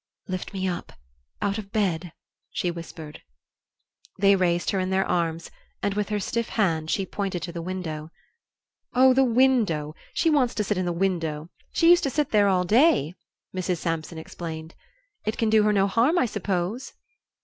"Lift me up out of bed," she whispered. They raised her in their arms, and with her stiff hand she pointed to the window. "Oh, the window she wants to sit in the window. She used to sit there all day," Mrs. Sampson explained. "It can do her no harm, I suppose?"